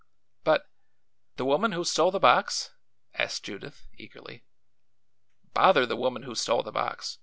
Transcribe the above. "But the woman who stole the box?" asked Judith, eagerly. "Bother the woman who stole the box!